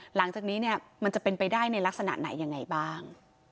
หลังจากนี้เนี่ยมันจะเป็นไปได้ในลักษณะไหนยังไงบ้าง